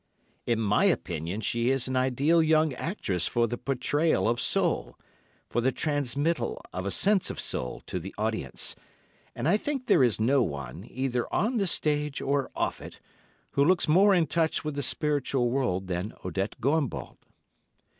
In my opinion she is an ideal young actress for the pourtrayal of soul, for the transmittal of a sense of soul to the audience, and I think there is no one, either on the stage or off it, who looks more in touch with the spiritual world than Odette Goimbault.